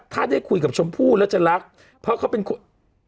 ถ้าได้คุยกับชมพู่แล้วจะรักเพราะเขาเป็นคน